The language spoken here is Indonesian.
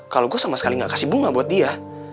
kalau gue sama sekali gak kasih bunga buat dia